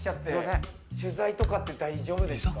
取材とかって大丈夫ですか？